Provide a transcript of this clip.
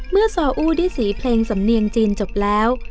เมื่อสออู้ดิสีเพลงสำเนียงจีนจบแล้ว